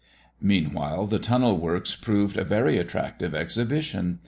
Meanwhile, the tunnel works proved a very attractive exhibition.